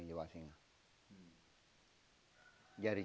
itu dianggap sebagai basing